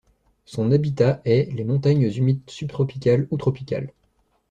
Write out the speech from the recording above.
Son habitat est les montagnes humides subtropicales ou tropicales.